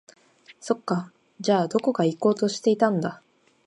そっか、じゃあ、どこか行こうとしていたんだ